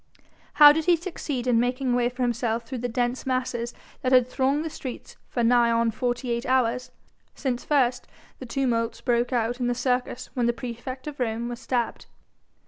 How did he succeed in making a way for himself through the dense masses that had thronged the streets for nigh on forty eight hours, since first the tumult broke out in the Circus when the praefect of Rome was stabbed?